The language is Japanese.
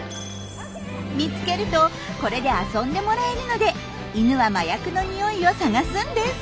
見つけるとこれで遊んでもらえるので犬は麻薬のにおいを探すんです。